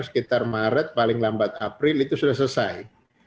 sekitar maret paling lambat april itu sudah selesai